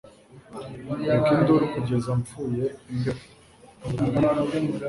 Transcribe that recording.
kureka induru kugeza mpfuye imbeho